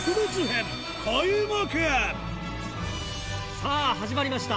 さぁ始まりました！